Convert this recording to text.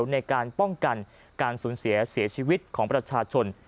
ในการป้องกันการสูญเสียเสียชีวิตของประชาชน